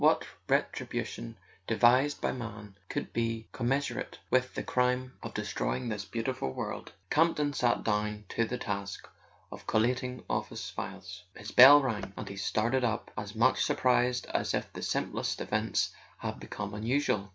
What ret¬ ribution devised by man could be commensurate with the crime of destroying his beautiful world? Camp ton sat down to the task of collating office files. His bell rang, and he started up, as much surprised as if the simplest events had become unusual.